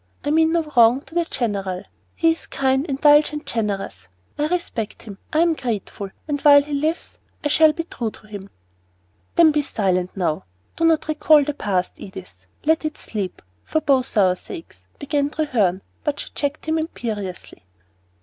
I mean no wrong to the general. He is kind, indulgent, generous; I respect him I am grateful, and while he lives, I shall be true to him." "Then be silent now. Do not recall the past, Edith; let it sleep, for both our sakes," began Treherne; but she checked him imperiously.